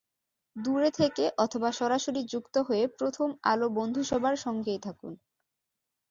দূরে থেকে, অথবা সরাসরি যুক্ত হয়ে প্রথম আলো বন্ধুসভার সঙ্গেই থাকুন।